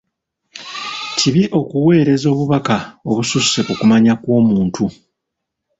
Kibi okuweereza bubaka obususse ku kumanya kw'omuntu.